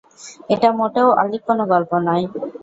এটা মোটেও অলীক কোনও গল্প নয়!